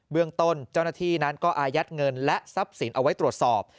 เรื่องต้นเจ้าหน้าที่นั้นก็อายัดเงินและทรัพย์สินเอาไว้ตรวจสอบ